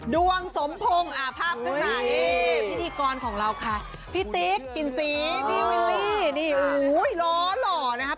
ดวงสมพงศ์ภาพขึ้นมานี่พิธีกรของเราค่ะพี่ติ๊กกินซีพี่วิลลี่นี่ล้อหล่อนะครับ